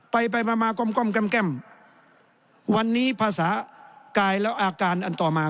ไปมาก้มแก้มวันนี้ภาษากายแล้วอาการอันต่อมา